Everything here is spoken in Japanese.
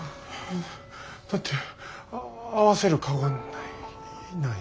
だって合わせる顔がないない。